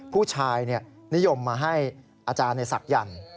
ผู้ชายนิยมมาให้อาจารย์ในศักยันต์